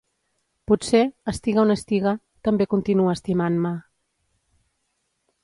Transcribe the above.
Potser, estiga on estiga, també continua estimant-me...